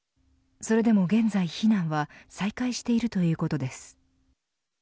それでも現在、避難は再開しているということです。